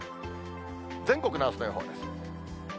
全国のあすの予報です。